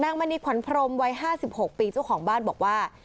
มณีขวัญพรมวัย๕๖ปีเจ้าของบ้านบอกว่า